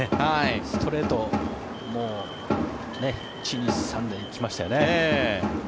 ストレート１、２、３で行きましたよね。